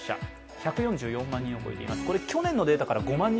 １４４万人を超えています。